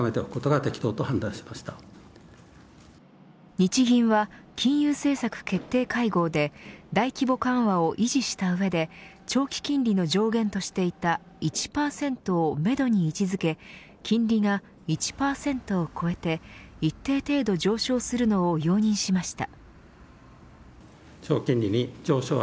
日銀は金融政策決定会合で大規模緩和を維持した上で長期金利の上限としていた１％をめどに位置付け金利が１％を超えて一定程度上昇するのを容認しました。